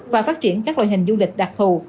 và phát triển các loại hình du lịch đặc thù